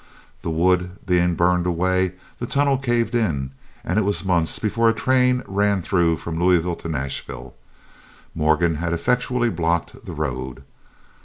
The wood being burned away the tunnel caved in, and it was months before a train ran through from Louisville to Nashville. Morgan had effectually blocked the road.